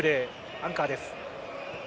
アンカーです。